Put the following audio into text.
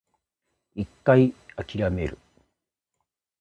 一回諦める